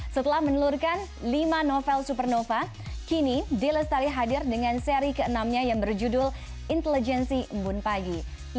setelah menelurkan lima novel supernova kini d lestari hadir dengan seri ke enam nya yang berjudul intelijensi mbun pagi